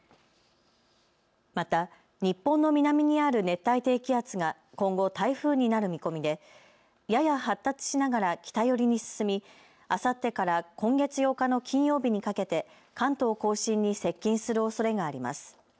また、日本の南にある熱帯低気圧が今後、台風になる見込みでやや発達しながら北寄りに進みあさってから今月８日の金曜日にかけて関東甲信に接近するおそれがあります。